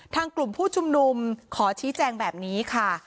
ทางกลุ่มผู้ชุมนุมขอชี้แจงแบบนี้ค่ะ